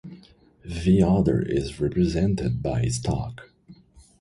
The other is represented by Stock.